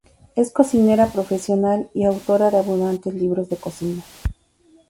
Es cocinera profesional y autora de abundantes libros de cocina.